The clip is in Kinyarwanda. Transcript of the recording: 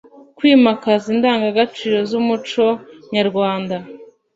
kwimakaza indangagaciro z’umuco nyarwanda